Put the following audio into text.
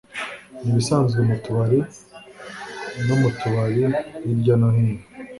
Ni ibisanzwe mu tubari no mu tubari hirya no hino.